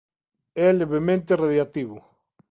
É levemente radioactivo.